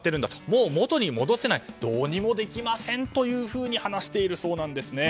もう元に戻せないどうにもできませんというふうに話しているそうなんですね。